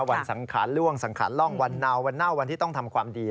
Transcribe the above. วันสังขาล่วงสังขาล่องวันเน่าวันที่ต้องทำความดี